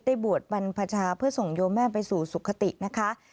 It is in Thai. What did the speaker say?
บวชบรรพชาเพื่อส่งโยมแม่ไปสู่สุขตินะคะ